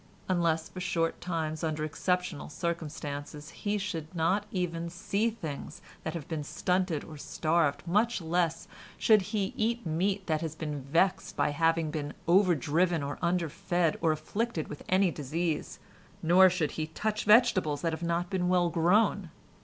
Unless for short times under exceptional circumstances, he should not even see things that have been stunted or starved, much less should he eat meat that has been vexed by having been over driven or underfed, or afflicted with any disease; nor should he touch vegetables that have not been well grown.